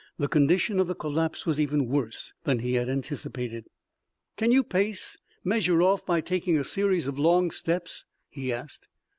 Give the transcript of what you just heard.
The condition of the collapse was even worse than he had anticipated. "Can you pace measure off by taking a series of long steps?" he asked.